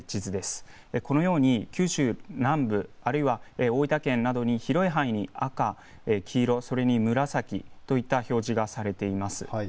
このように九州南部あるいは大分県などに広い範囲に赤、黄色、紫といった表示がされています。